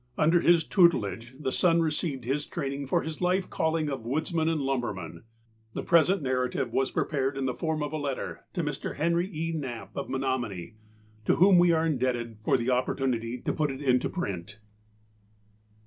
Under his tutelage the son received his training for his life calling of woodsman and lumberman. The present narrative was prepared in the form of a letter to Mr. Henry E. Knapp of Menomonie, to whom we are indebted for the opportunity to put it into print.